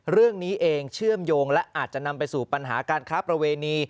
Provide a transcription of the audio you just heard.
เรื่องนี้เองเชื่อมโยงและอาจจะนำไปสู่ปัญหาการค้าประเวณี